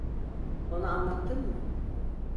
Ona anlattın mı?